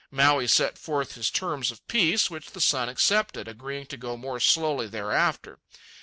Maui set forth his terms of peace, which the sun accepted, agreeing to go more slowly thereafter.